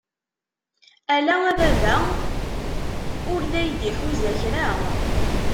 Ala a baba ur d ay-d-iḥuza kra!